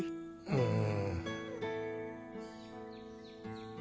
うん？